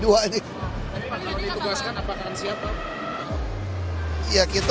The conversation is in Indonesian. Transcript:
tapi kalau ditugaskan apakah akan siapa